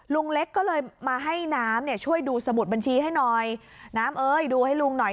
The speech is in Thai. ลุงเล็กก็เลยมาให้น้ำเนี่ยช่วยดูสมุดบัญชีให้หน่อยน้ำเอ้ยดูให้ลุงหน่อย